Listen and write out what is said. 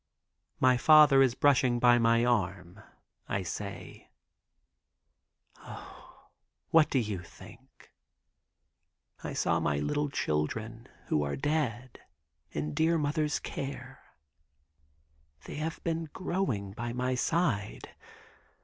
My father is brushing by my arm. I say: "O, what do you think, I saw my little children who are dead, in dear mother's care. They have been growing by my side.